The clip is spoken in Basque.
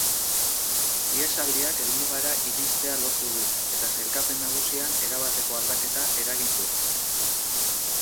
Ihesaldiak helmugara iristea lortu du, eta sailkapen nagusian erabateko aldaketa eragin du.